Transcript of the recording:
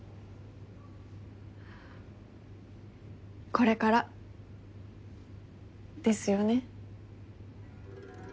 これからですよね？